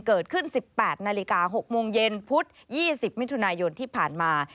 เกิดขึ้น๑๘นาฬิกา๖โมงเย็นพุธ๒๐มิถุนายนที่ผ่านมา